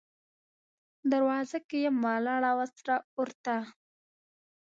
دروازه کې یم ولاړه، وه سره اور ته